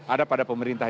ada pada pemerintah